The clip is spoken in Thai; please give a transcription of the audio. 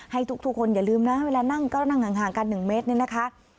ให้ทุกคนอย่าลืมนะเวลานั่งก็นั่งห่างกัน๑เมตรนี่นะคะ